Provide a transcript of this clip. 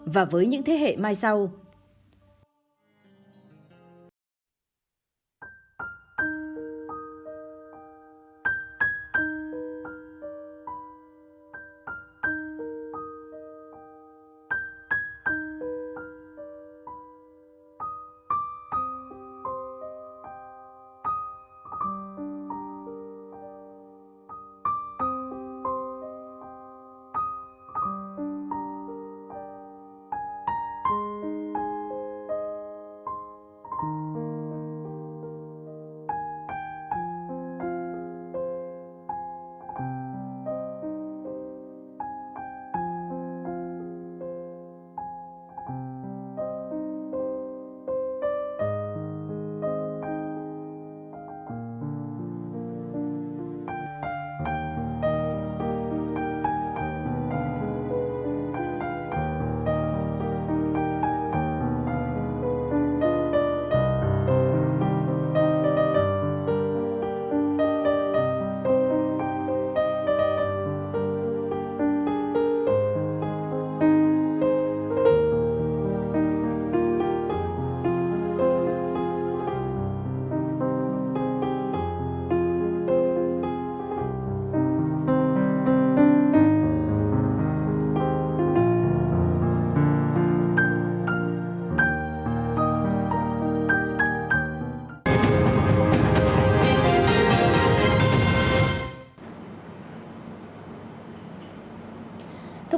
và với những thế hệ mai sau